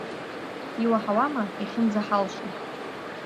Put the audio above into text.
Иуаҳауама, иахьынӡаҳалшо…